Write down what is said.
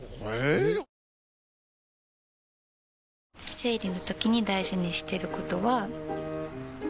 生理のときに大事にしてることは。